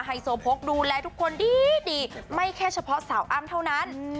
โซโพกดูแลทุกคนดีดีไม่แค่เฉพาะสาวอ้ำเท่านั้น